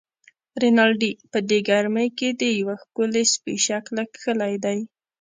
رینالډي: په دې ګرمۍ کې دې د یوه ښکلي سپي شکل کښلی دی.